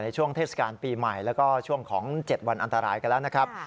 ช่วงเทศกาลปีใหม่แล้วก็ช่วงของ๗วันอันตรายกันแล้วนะครับ